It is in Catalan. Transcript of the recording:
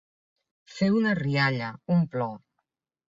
Fer una rialla, un plor.